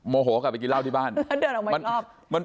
โมโหกลับไปกินเหล้าที่บ้านแล้วเดินออกมา